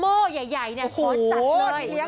โม่ใหญ่เนี่ยขอจัดเลย